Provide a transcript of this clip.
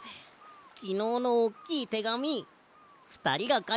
きのうのおっきいてがみふたりがかいてくれたんだろ？